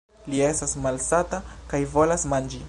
Li estas malsata kaj volas manĝi!